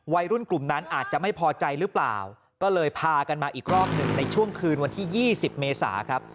วัยรุ่นกลุ่มนั้นอาจจะไม่พอใจหรือเปล่าก็เลยพากันมาอีกรอบหนึ่งในช่วงคืนวันที่๒๐เมษาครับ